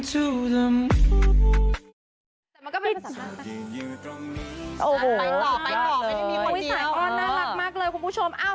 แต่เอาดีคุณผู้ชม